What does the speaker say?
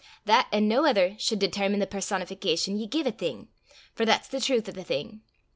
That an' no ither sud determine the personification ye gie a thing for that's the trowth o' the thing.